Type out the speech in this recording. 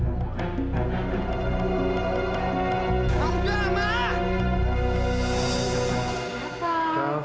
kok kamu jagain kava sendirian